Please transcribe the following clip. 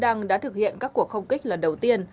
quân đội sudan đã thực hiện các cuộc không kích lần đầu tiên